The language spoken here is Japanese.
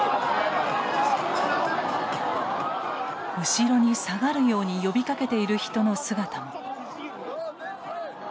後ろに下がるように呼びかけている人の姿も。